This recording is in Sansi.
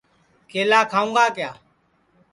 کیلا کھاؤں گا کِیا